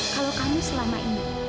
kalau kamu selama ini